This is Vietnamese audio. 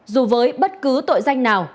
dù với bất cứ tội danh nào